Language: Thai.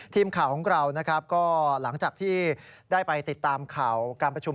ทีมข่าวของเรานะครับก็หลังจากที่ได้ไปติดตามข่าวการประชุม